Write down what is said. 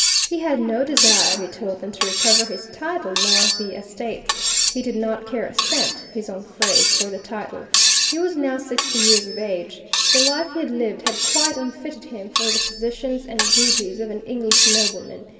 He had no desire, he told them, to recover his title, nor the estates. He did not care a cent his own phrase for the title. He was now sixty years of age. The life he had lived had quite unfitted him for the positions and duties of an English nobleman.